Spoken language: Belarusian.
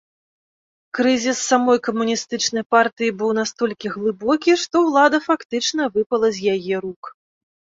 Крызіс самой камуністычнай партыі быў настолькі глыбокі, што ўлада фактычна выпала з яе рук.